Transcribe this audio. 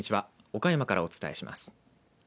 岡山からお伝えします。